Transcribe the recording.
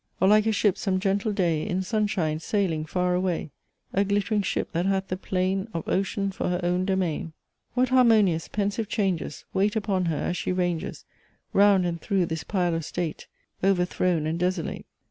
Or like a ship some gentle day In sunshine sailing far away A glittering ship that hath the plain Of ocean for her own domain." "What harmonious pensive changes Wait upon her as she ranges Round and through this Pile of state Overthrown and desolate!